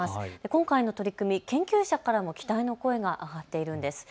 今回の取り組み、研究者からも期待の声があがっているんです。